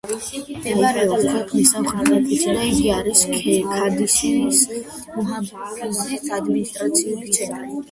მდებარეობს ქვეყნის სამხრეთ ნაწილში და იგი არის ქადისიის მუჰაფაზის ადმინისტრაციული ცენტრი.